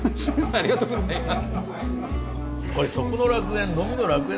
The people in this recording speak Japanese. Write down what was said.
ありがとうございます。